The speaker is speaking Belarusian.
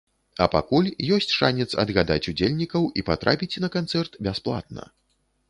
А пакуль ёсць шанец адгадаць удзельнікаў і патрапіць на канцэрт бясплатна.